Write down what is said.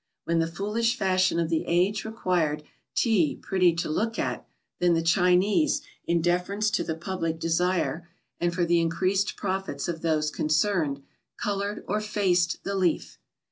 When the foolish fashion of the age required Tea pretty to look at, then the Chinese, in deference to the public desire, and for the increased profits of those concerned, coloured or "faced" the leaf.